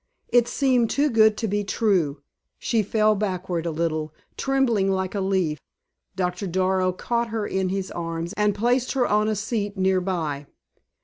It seemed too good to be true. She fell backward a little, trembling like a leaf. Doctor Darrow caught her in his arms and placed her on a seat near by.